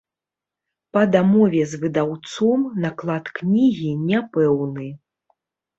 Па дамове з выдаўцом, наклад кнігі няпэўны.